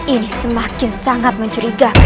ini semakin sangat mencurigakan